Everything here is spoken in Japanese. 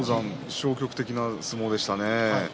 消極的な相撲でしたね。